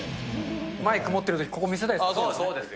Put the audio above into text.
マイク持ってるとき、ここ見せたいです。